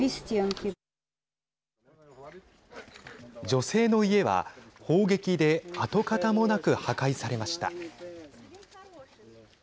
女性の家は砲撃で跡形もなく破壊されました。